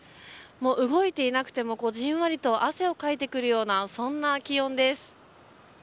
動いていなくてもじんわりと汗をかいてくるようなそんな気温です。